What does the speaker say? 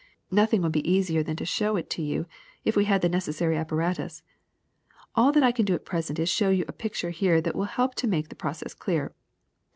Nothing would be easier than to show it to you if we had the necessary apparatus. All that I can do at present is to show you a pic ture here that will help to make the process clear.